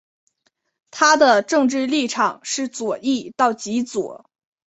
它的政治立场是左翼到极左。